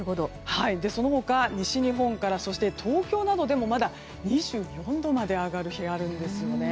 その他、西日本からそして東京などでもまだ２４度まで上がる日があるんですよね。